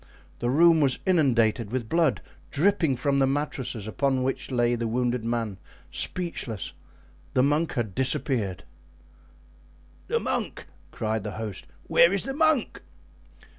The room was inundated with blood, dripping from the mattresses upon which lay the wounded man, speechless; the monk had disappeared. "The monk!" cried the host; "where is the monk?"